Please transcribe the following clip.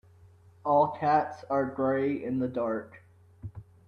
All cats are grey in the dark.